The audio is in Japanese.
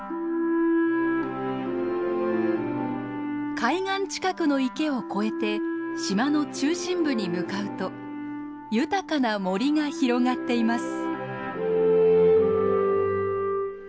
海岸近くの池を越えて島の中心部に向かうと豊かな森が広がっています。